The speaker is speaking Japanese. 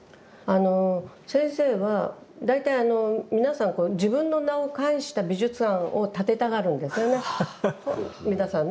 先生は大体皆さん自分の名を冠した美術館を建てたがるんですよね皆さんね